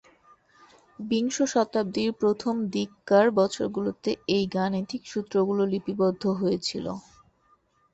বিংশ শতাব্দীর প্রথম দিককার বছরগুলিতে এই গাণিতিক সূত্রগুলি লিপিবদ্ধ হয়েছিল।